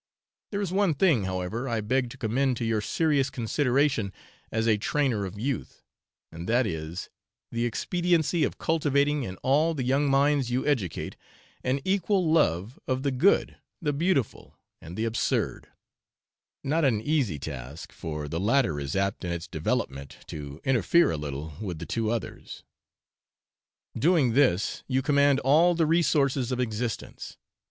There is one thing, however, I beg to commend to your serious consideration as a trainer of youth, and that is, the expediency of cultivating in all the young minds you educate an equal love of the good, the beautiful, and the absurd (not an easy task, for the latter is apt in its developement to interfere a little with the two others): doing this, you command all the resources of existence.